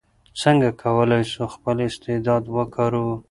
څنګه کولای سو خپل استعداد وکاروو؟